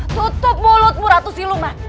tutup mulutmu ratu siluman